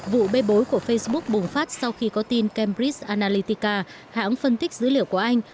vụ bê bối của facebook bùng phát sau khi có tin cambridge analytika hãng phân tích dữ liệu của anh